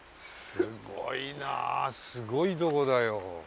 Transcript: すごいなすごいとこだよ。